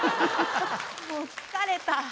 もう疲れた。